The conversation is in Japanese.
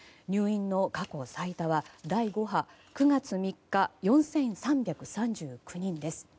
入院の過去最多は第５波９月３日の４３３９人です。